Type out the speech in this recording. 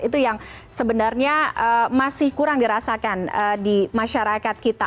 itu yang sebenarnya masih kurang dirasakan di masyarakat kita